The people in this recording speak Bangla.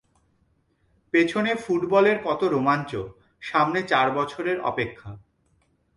পেছনে ফুটবলের কত রোমাঞ্চ, সামনে চার বছরের অপেক্ষা।